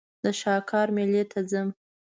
د شاکار مېلې ته ځم.